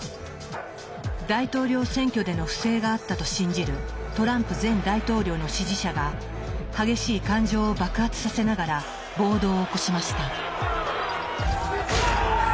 大統領選挙での不正があったと信じるトランプ前大統領の支持者が激しい感情を爆発させながら暴動を起こしました。